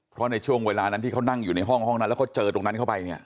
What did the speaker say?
เพราะในช่วงเวลานั้นที่เขานั่งอยู่ในห้องนั้นแล้วเขาเจอตรงนั้นเข้าไปเนี่ย